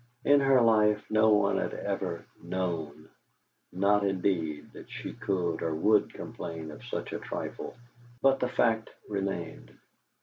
In her life no one had ever "known" not indeed that she could or would complain of such a trifle, but the fact remained.